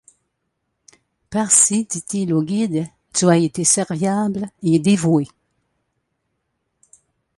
Parsi, dit-il au guide, tu as été serviable et dévoué.